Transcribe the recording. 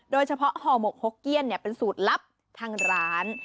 โดยเฉพาะอ่าะห่อหมกหกเกี้ยนเป็นสูตรลับทางร้าน